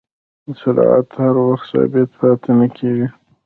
سرعت هر وخت ثابت پاتې نه کېږي.